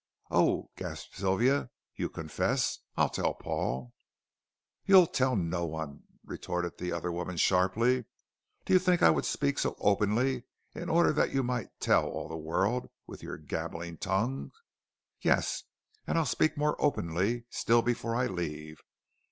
"Oh," gasped Sylvia, "you confess. I'll tell Paul." "You'll tell no one," retorted the other woman sharply. "Do you think I would speak so openly in order that you might tell all the world with your gabbling tongue? Yes, and I'll speak more openly still before I leave.